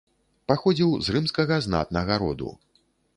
Паходзіў з рымскага знатнага роду.